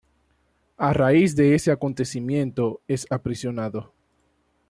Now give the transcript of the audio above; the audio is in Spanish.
A raíz de ese acontecimiento, es aprisionado.